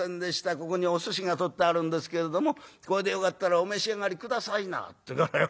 『ここにお寿司が取ってあるんですけれどもこれでよかったらお召し上がり下さいな』っていうからよ